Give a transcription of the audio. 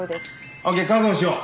ＯＫ確保しよう。